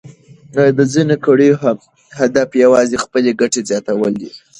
د ځینو کړیو هدف یوازې خپلې ګټې زیاتول دي.